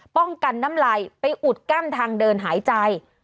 ป้องกันน้ำลายไปอุดแก้มทางเดินหายใจ